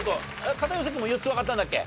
片寄君も４つわかったんだっけ？